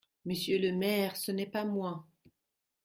Monsieur le maire… ce n’est pas moi.